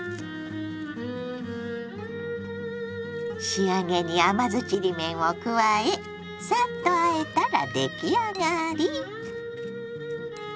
仕上げに甘酢ちりめんを加えサッとあえたら出来上がり。